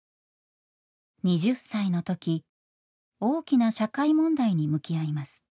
２０歳の時大きな社会問題に向き合います。